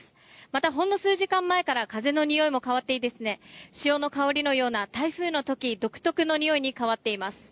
また、ほんの数時間前から風のにおいも変わって潮の香りのような台風の時独特なにおいに変わっています。